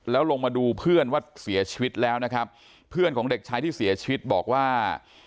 แล้วลงมาดูเพื่อนว่าเสียชีวิตแล้วนะครับเพื่อนของเด็กชายที่เสียชีวิตบอกว่า